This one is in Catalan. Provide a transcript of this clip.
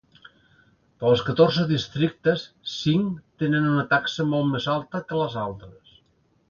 Dels catorze districtes, cinc tenen una taxa molt més alta que les altres.